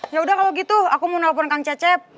yaudah kalo gitu aku mau nelfon kang cecep